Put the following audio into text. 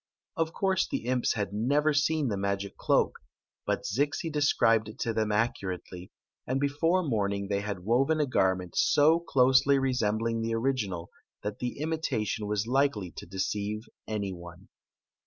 Of course the imps had never seen the magic cloak ; but Zixi described it to them accurately, and before morning they had woven a garment so closely resem bling the original that the imitation was likely to de ceive any one.